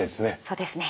そうですね。